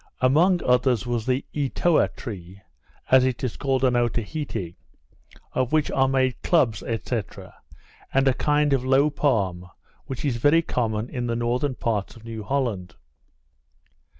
Among others was the Etoa tree, as it is called at Otaheite, of which are made clubs, &c. and a kind of low palm, which is very common in the northern parts of New Holland.